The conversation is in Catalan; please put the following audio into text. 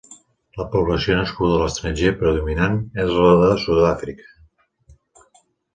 La població nascuda a l'estranger predominant és la de Sud-àfrica.